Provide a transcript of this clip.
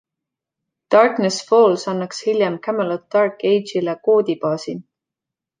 „Darkness Falls“ annaks hiljem „Camelot Dark Age’le“ koodibaasi.